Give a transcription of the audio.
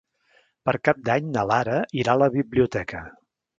Per Cap d'Any na Lara irà a la biblioteca.